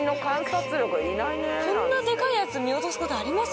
こんなでかいやつ見落とすことあります？